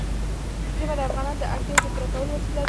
ژمی د افغانانو د اړتیاوو د پوره کولو وسیله ده.